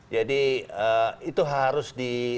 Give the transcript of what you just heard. jadi itu harus di